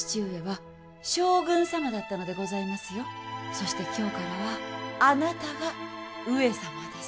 そして今日からはあなたが上様です。